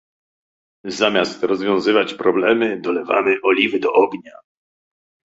Zamiast rozwiązywać problemy, dolewamy oliwy do ognia